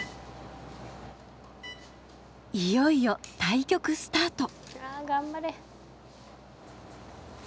いよいよ対局スタート。